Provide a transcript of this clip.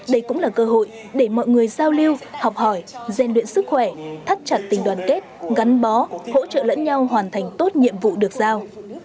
đây cũng là cơ hội để mọi người giao lưu học hỏi gian luyện sức khỏe thắt chặt tình đoàn kết gắn bó hỗ trợ lẫn nhau hoàn thành tốt nhiệm vụ được giao